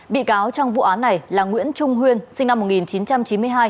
bị cáo trong vụ án này là nguyễn trung huyên sinh năm một nghìn chín trăm chín mươi hai